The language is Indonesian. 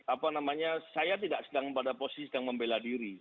apa namanya saya tidak sedang pada posisi sedang membela diri